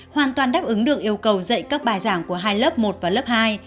hoàn toàn đáp ứng được yêu cầu dạy các bài giảng của hai lớp một và lớp hai